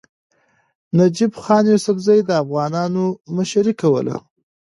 نجیب خان یوسفزي د افغانانو مشري کوله.